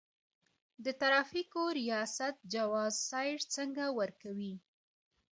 د ترافیکو ریاست جواز سیر څنګه ورکوي؟